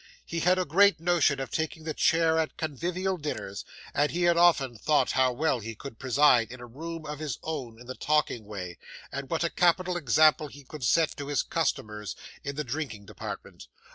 He had a great notion of taking the chair at convivial dinners, and he had often thought how well he could preside in a room of his own in the talking way, and what a capital example he could set to his customers in the drinking department.